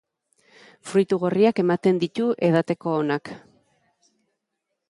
Fruitu gorriak ematen ditu, edateko onak.